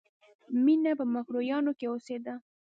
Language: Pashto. مینه په مکروریانو کې اوسېده